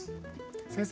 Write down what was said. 先生